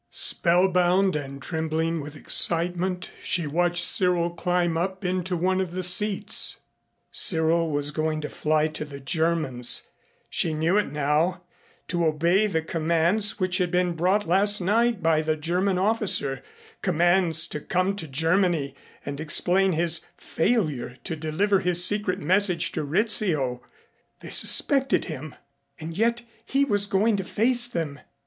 Spellbound and trembling with excitement, she watched Cyril climb up into one of the seats. Cyril was going to fly to the Germans, she knew it now, to obey the commands which had been brought last night by the German officer, commands to come to Germany and explain his failure to deliver his secret message to Rizzio. They suspected him and yet he was going to face them.